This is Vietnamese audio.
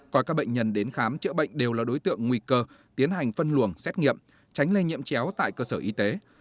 coi các bệnh nhân đến khám chữa bệnh đều là đối tượng nguy cơ tiến hành phân luồng xét nghiệm tránh lây nhiễm chéo tại cơ sở y tế